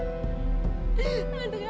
nggak mau dengar